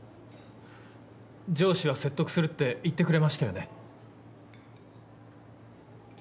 上司は説得するって言ってくれましたよね。